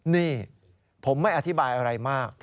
นี่ผมไม่อธิบายอะไรมาก